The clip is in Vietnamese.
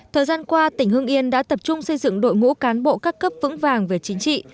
thời gian qua tỉnh hưng yên đã tập trung xây dựng đội ngũ cán bộ các cấp vững vàng về chính trị